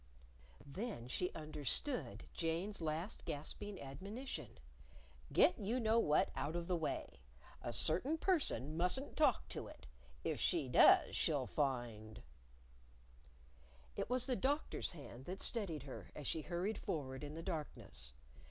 Then she understood Jane's last gasping admonition "Get you know what out of the way! A certain person mustn't talk to it! If she does she'll find " It was the Doctor's hand that steadied her as she hurried forward in the darkness.